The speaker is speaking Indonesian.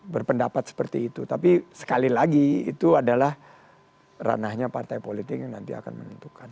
berpendapat seperti itu tapi sekali lagi itu adalah ranahnya partai politik yang nanti akan menentukan